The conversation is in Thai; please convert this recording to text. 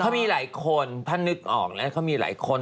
เขามีหลายคนถ้านึกออกนะเขามีหลายคน